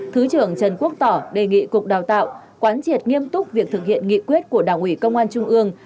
thứ trưởng trần quốc tỏ đề nghị cục đào tạo quán triệt nghiêm túc việc thực hiện nghị quyết của đảng ủy công an trung ương